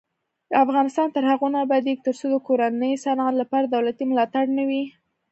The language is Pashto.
افغانستان تر هغو نه ابادیږي، ترڅو د کورني صنعت لپاره دولتي ملاتړ نه وي.